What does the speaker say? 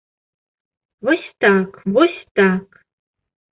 Вось так, вось так!